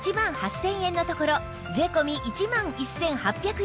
１万８０００円のところ税込１万１８００円